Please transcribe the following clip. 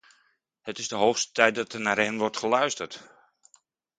Het is de hoogste tijd dat er naar hen wordt geluisterd!